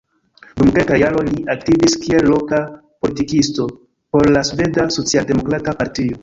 Dum kelkaj jaroj li aktivis kiel loka politikisto por la Sveda Socialdemokrata Partio.